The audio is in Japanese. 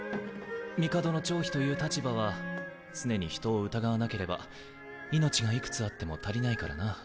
帝の寵妃という立場は常に人を疑わなければ命が幾つあっても足りないからな。